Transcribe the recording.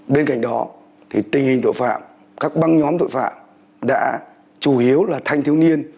bên cạnh đó tình hình tội phạm các băng nhóm tội phạm đã chủ yếu là thanh thiếu niên